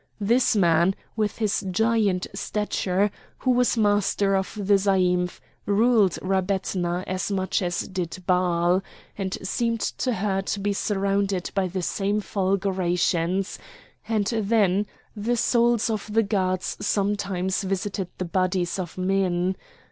This man, with his giant stature, who was master of the zaïmph, ruled Rabbetna as much as did Baal, and seemed to her to be surrounded by the same fulgurations; and then the souls of the gods sometimes visited the bodies of men.